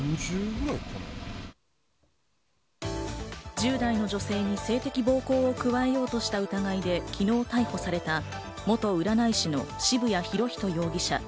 １０代の女性に性的暴行を加えようとした疑いで昨日逮捕された元占い師の渋谷博仁容疑者。